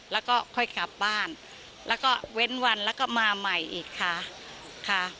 แล้วก็ค่อยกลับบ้านแล้วก็เว้นวันแล้วก็มาใหม่อีกค่ะค่ะ